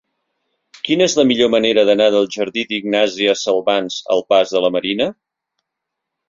Quina és la millor manera d'anar del jardí d'Ignàsia Salvans al pas de la Marina?